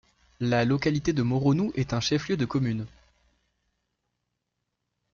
La localité de Moronou est un chef-lieu de commune.